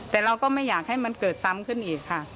แต่เราก็ไม่อยากให้มันเกิดซ้ำขึ้นอีกค่ะ